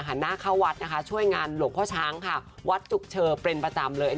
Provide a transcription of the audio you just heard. หน้าเข้าวัดนะคะช่วยงานหลวงพ่อช้างค่ะวัดจุกเชอเป็นประจำเลย